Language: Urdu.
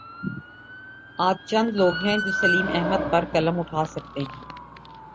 آج چند لوگ ہیں جو سلیم احمد پر قلم اٹھا سکتے ہیں۔